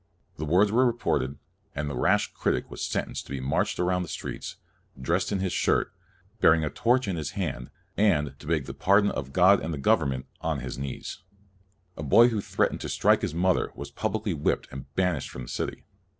The words were reported, and the rash critic was sentenced to be marched around the streets, dressed in his shirt, bearing a torch in his hand, and to beg the pardon of God and of the government on his knees. A boy who threatened to strike his mother was publicly whipped and banished from the city.